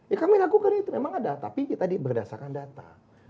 ya kami lakukan itu memang ada tapi tadi berdasarkan data